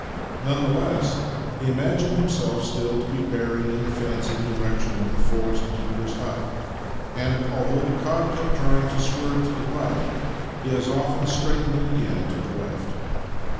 None the less, he imagined himself still to be bearing in the fancied direction of the forest keeper's hut, and, although the cob kept trying to swerve to the right, he as often straightened it again to the left.